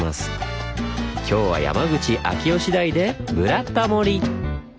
今日は山口秋吉台で「ブラタモリ」！